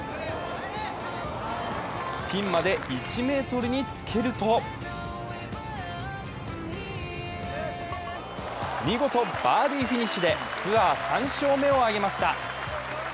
ピンまで１ｍにつけると見事、バーディーフィニッシュでツアー３勝目を挙げました。